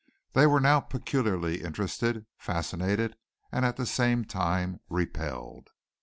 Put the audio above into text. They were now peculiarly interested, fascinated, and at the same time repelled.